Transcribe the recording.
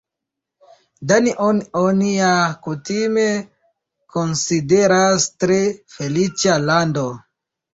Danion oni ja kutime konsideras tre feliĉa lando.